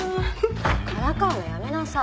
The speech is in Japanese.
からかうのやめなさい。